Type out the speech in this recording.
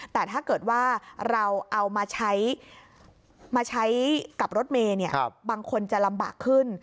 แต่ถ้าเกิดว่าเราเอามาใช้มาใช้กับรถเมย์บางคนจะลำบากขึ้น